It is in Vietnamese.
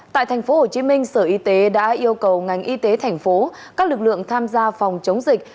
tại tp hcm sở y tế đã yêu cầu ngành y tế thành phố các lực lượng tham gia phòng chống dịch